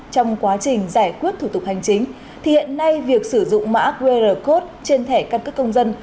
trong quá trình giải quyết thủ tục hành chính thì hiện nay việc sử dụng mã qr code trên thẻ căn cước công dân